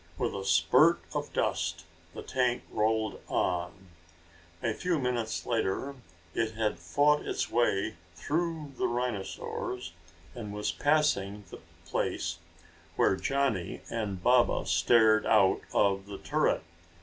With a spurt of dust, the tank rolled on. A few minutes later it had fought its way through the rhinosaurs and was passing the place where Johnny and Baba stared out of the turret.